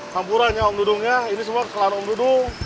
sampurannya om dudungnya ini semua kesalahan om dudung